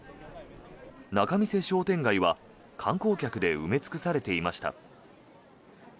仲見世商店街は、観光客で埋め尽くされていました。